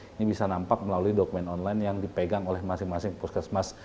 ini bisa nampak melalui dokumen online yang dipegang oleh masing masing puskesmas